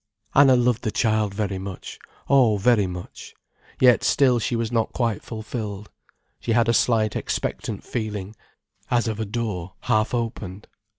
Anna loved the child very much, oh, very much. Yet still she was not quite fulfilled. She had a slight expectant feeling, as of a door half opened.